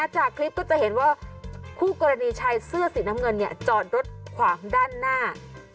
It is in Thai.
จากคลิปก็จะเห็นว่าคู่กรณีชายเสื้อสีน้ำเงินจอดรถขวางด้านหน้า